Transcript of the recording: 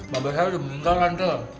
mbak besar udah minta kan tuh